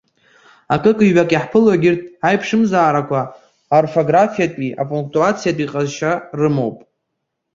Акыкҩбак иаҳԥыло егьырҭ аиԥшымзаарақәа аорфографиатәии апунктуациатәии ҟазшьа рымоуп.